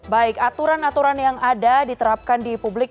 baik aturan aturan yang ada diterapkan di publik